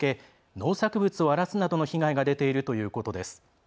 農作物を荒らすなどの被害が出ているということです。